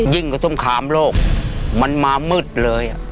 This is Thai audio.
ยิ่งกว่าสงครามโลกมันมามืดเลย